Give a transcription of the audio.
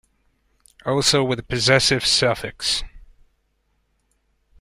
Also with a possessive suffix.